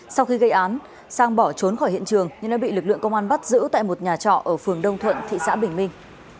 sau khi gây án sang bỏ trốn khỏi hiện trường nhưng đã bị lực lượng công an bắt giữ tại một nhà trọ ở phường đông thuận thị xã bình minh